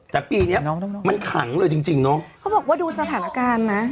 แต่ปีเนี้ยมันขังเลยจริงจริงเนอะเขาบอกว่าดูสถานการณ์นะ